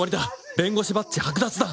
弁護士バッジ剥奪だ！